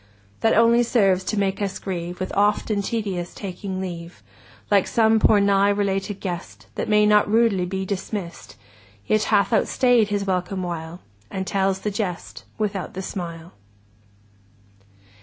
That only serves to make us grieve With oft and tedious taking leave, 45 Like some poor nigh related guest That may not rudely be dismist. Yet hath outstay'd his welcome while, And tells the jest without the smile.